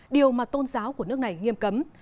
điều mà tôn giáo của nước này nghiêm cấm